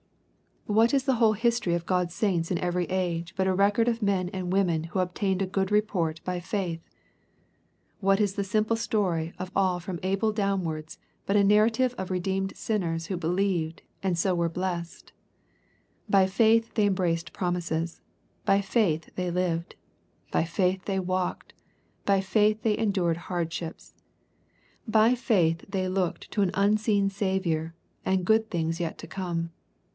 What is the whole history LUKE^ CHAP. I. 38 of God's saints in every age but a record of men and women who obtained a good report by faith ? What is the simple story of all from Abel downwards but a nar rative of redeemed sinners who believed, and so were blessed ? By faith they embraced promises. By faith they lived. By faith they walked. By faith they endured hardships. By faith they looked to an unseen Saviour, and good things yet to come.